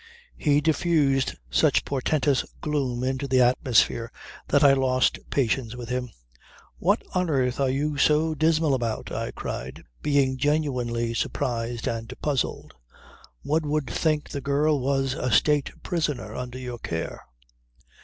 He diffused such portentous gloom into the atmosphere that I lost patience with him. "What on earth are you so dismal about?" I cried, being genuinely surprised and puzzled. "One would think the girl was a state prisoner under your care."